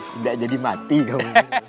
tidak jadi mati kamu